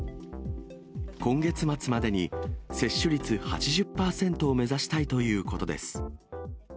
今月末までに接種率８０％を目指したいということです。